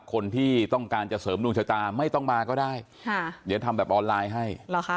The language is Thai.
คนที่ต้องการจะเสริมดวงชะตาไม่ต้องมาก็ได้ค่ะเดี๋ยวทำแบบออนไลน์ให้